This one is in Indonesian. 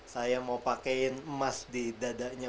saya mau pakaiin emas di dadanya